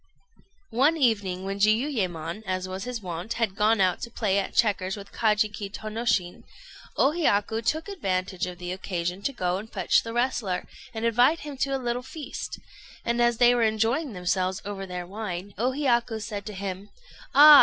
One evening, when Jiuyémon, as was his wont, had gone out to play at checkers with Kajiki Tônoshin, O Hiyaku took advantage of the occasion to go and fetch the wrestler, and invite him to a little feast; and as they were enjoying themselves over their wine, O Hiyaku said to him "Ah!